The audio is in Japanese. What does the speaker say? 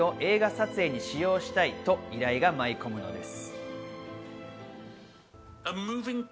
そんな中、屋敷を映画撮影に使用したいと依頼が舞い込むのです。